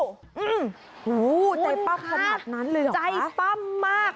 โอ้โฮใจปั๊บขนาดนั้นเลยหรือคะคุณค่ะใจปั๊บมาก